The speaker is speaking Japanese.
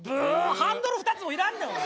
ハンドル２つも要らんねんお前。